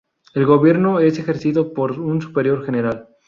El gobierno es ejercido por un superior general.